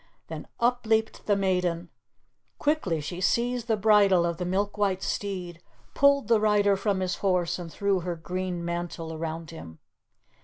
Then up leaped the maiden. Quickly she seized the bridle of the milk white steed, pulled the rider from his horse, and threw her green mantle around him.